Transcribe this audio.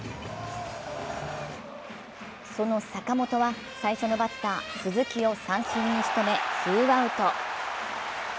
その坂本は、最初のバッター鈴木を三振にしとめ、ツーアウト。